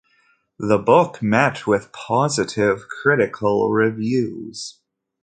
The book met with positive critical reviews.